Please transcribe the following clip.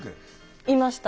いました。